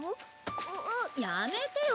やめてよ